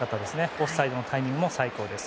オフサイドのタイミングも最高です。